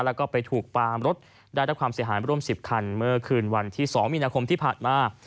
แล้วก็ไปถูกปามรถได้รับความเสียหายร่วม๑๐คันเมื่อคืนวันที่๒มีนาคมที่ผ่านมา